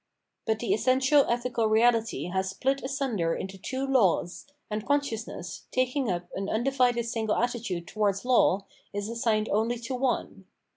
But the essential ethical reality has split asunder into two laws, and consciousness, taking up an un divided single attitude towards law, is assigned oidy to one.